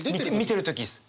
見てる時です。